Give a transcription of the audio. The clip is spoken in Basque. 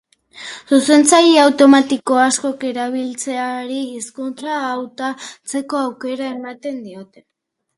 Zuzentzaile automatiko askok erabiltzaileari hizkuntza hautatzeko aukera ematen diote.